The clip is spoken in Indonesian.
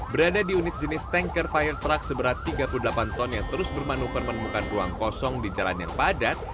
berada di unit jenis tanker fire truck seberat tiga puluh delapan ton yang terus bermanuper menemukan ruang kosong di jalan yang padat